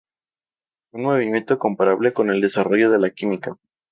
Un movimiento comparable con el desarrollo de la química.